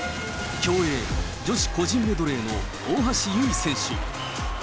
競泳女子個人メドレーの大橋悠依選手。